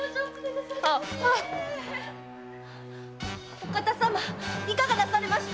お方様いかがなされました？